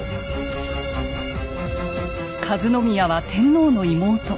和宮は天皇の妹。